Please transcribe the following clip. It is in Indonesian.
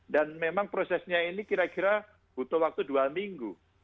dan memang prosesnya ini kira kira butuh waktu dua minggu